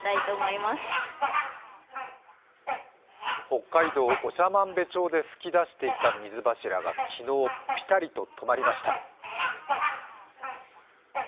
北海道長万部町で噴き出していた水柱が昨日、ピタリと止まりました。